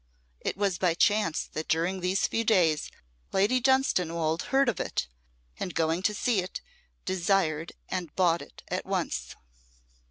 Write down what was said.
It was by chance that during these few days Lady Dunstanwolde heard of it, and going to see it, desired and bought it at once.